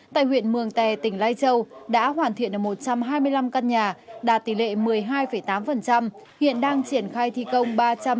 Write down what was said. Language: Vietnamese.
tại huyện mường tè tỉnh lai châu đã hoàn thiện một trăm hai mươi năm căn nhà đạt tỷ lệ một mươi hai tám hiện đang triển khai thi công ba trăm ba mươi hai căn nhà